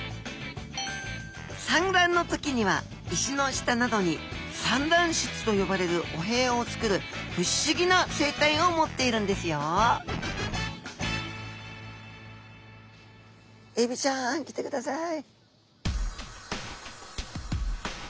産卵の時には石の下などに産卵室と呼ばれるお部屋を作るフィッシュギな生態を持っているんですよエビちゃん来てください。